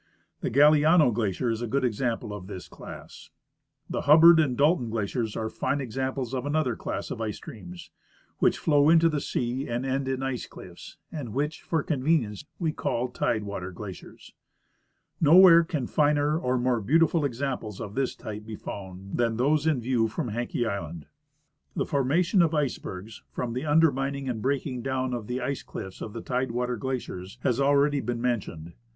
The Galiano glacier is a good example of this class. The Hubbard and Dalton glaciers are fine examples of another class of ice streams which flow into the sea and end in ice cliflfs, and which for convenience we call tide ivater glaciers. Nowhere can finer or more beautiful ex amples of this type be found than those in view from Haenke island. Figure 1 — Diagram illustrating the Formation of Icebergs. The formation of icebergs from the undermining and breaking down of the ice cliffs of the tide water glaciers has already been mentioned.